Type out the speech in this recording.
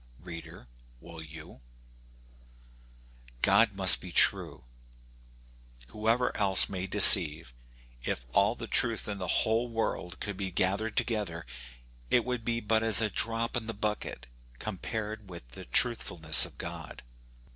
Reader J will you ? God must be true, whoever else may deceive. If all the truth in the whole world could be gathered together, it would be but as a drop in the bucket compared with the truthfulness of God.